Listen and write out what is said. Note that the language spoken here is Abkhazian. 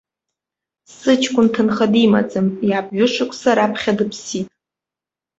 Сыҷкәын ҭынха димаӡам, иаб ҩышықәса раԥхьа дыԥсит.